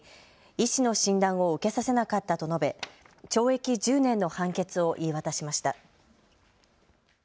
医師の診断を受けさせなかったと述べ懲役１０年の判決を言い渡しました。